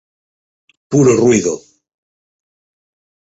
Puro ruído!